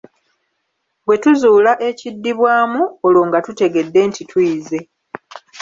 Bwe tuzuula ekiddibwamu, olwo nga tutegedde nti tuyize.